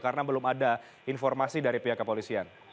karena belum ada informasi dari pihak kepolisian